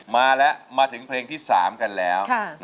มาแล้วมาถึงเพลงที่๓กันแล้ว